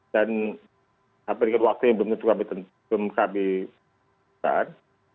dan sampai dekat waktu yang belum tentu kami tentukan